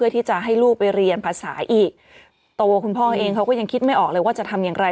ตัวคุณพ่อเองเขายังคิดไม่ออกเลยว่าจะทำอย่างไร